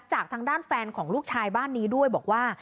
จากทางด้านแฟนของลูกชายบ้านนี้ด้วยบอกว่า